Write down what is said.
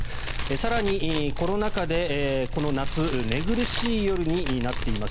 更にコロナ禍でこの夏寝苦しい夜になっています。